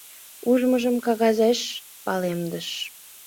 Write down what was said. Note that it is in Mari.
Ужмыжым кагазеш палемдыш.